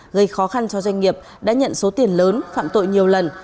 gây khó khăn cho doanh nghiệp đã nhận số tiền lớn phạm tội nhiều lần